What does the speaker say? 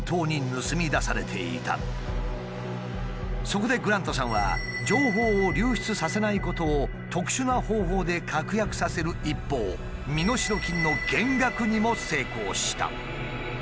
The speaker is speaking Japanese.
そこでグラントさんは情報を流出させないことを特殊な方法で確約させる一方身代金の減額にも成功した。